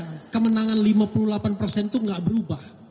kecuali menangan lima puluh delapan itu tidak berubah